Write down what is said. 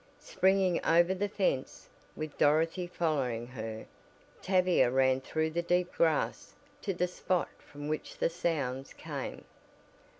Springing over the fence, with Dorothy following her, Tavia ran through the deep grass to the spot from which the sounds came.